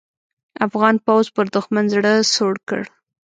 افغان پوځ پر دوښمن زړه سوړ کړ.